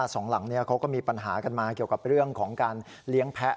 สองหลังนี้เขาก็มีปัญหากันมาเกี่ยวกับเรื่องของการเลี้ยงแพ้